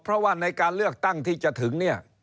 เพราะว่าในการเลือกตั้งที่จะถึงเนี่ย